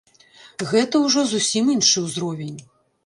Гэта ўжо зусім іншы ўзровень.